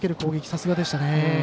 さすがでしたね。